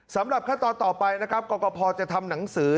สำหรับขั้นตอนต่อไปนะครับกรกภจะทำหนังสือ